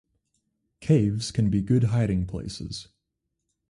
Caves can be good hiding places.